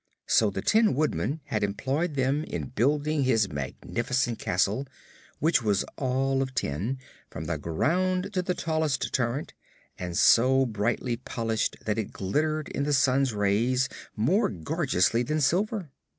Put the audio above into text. So the Tin Woodman had employed them in building his magnificent castle, which was all of tin, from the ground to the tallest turret, and so brightly polished that it glittered in the sun's rays more gorgeously than silver.